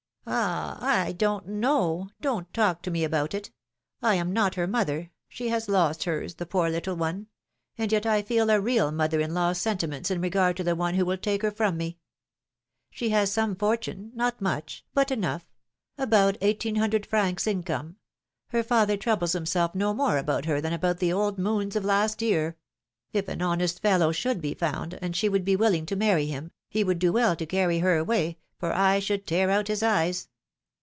"Ah ! I don't know ! don't talk to me about it ! I am not her mother — she has lost hers, the poor little one — and yet I feel a real mother in law's sentiments in regard to the one who will take her from me ! She has some for tune — not much, but enough, about eighteen hundred francs income — her father troubles himself no more about lier than about the old moons of last year ; if an honest fellow should be found, and she should be willing to marry him, he would do well to carry her away, for I should tear out his eyes."